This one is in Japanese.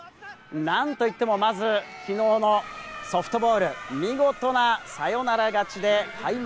何と言っても、まず昨日のソフトボールで見事なサヨナラ勝ちで開幕。